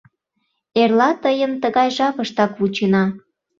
Эрла тыйым тыгай жапыштак вучена.